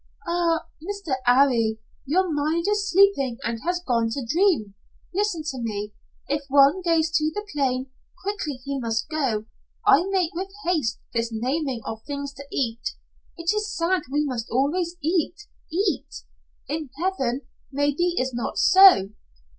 "Ah, Mr. 'Arry, your mind is sleeping and has gone to dream. Listen to me. If one goes to the plain, quickly he must go. I make with haste this naming of things to eat. It is sad we must always eat eat. In heaven maybe is not so."